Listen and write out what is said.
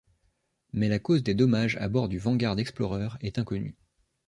Mais la cause des dommages à bord du Vanguard Explorer est inconnue.